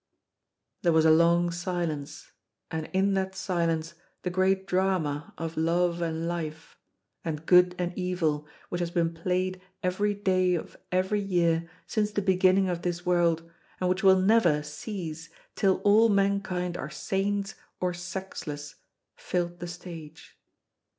There was a long silence, and in that silence the great drama of love and life; and good and evil, which has been played every day of every year since the beginning of this world, and which will never cease till all mankind are saints or sexless, filled the stage.